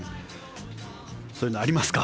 そういうのありますか？